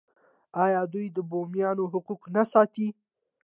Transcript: آیا دوی د بومیانو حقوق نه ساتي؟